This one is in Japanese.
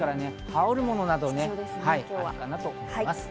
羽織るものなどがあるといいかなと思います。